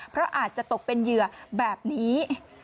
เพราะอาจจะตกเป็นเหยื่อแบบนี้